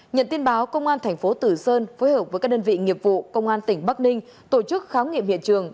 nhận tin báo công an thành phố tử sơn phối hợp với các đơn vị nghiệp vụ công an tỉnh bắc ninh tổ chức khám nghiệm hiện trường